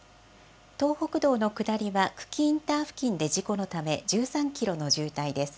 東北道の下りは久喜インター付近で事故のため１３キロの渋滞です。